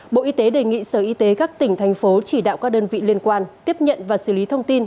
bộ y tế đề nghị sở y tế các tỉnh thành phố chỉ đạo các đơn vị liên quan tiếp nhận và xử lý thông tin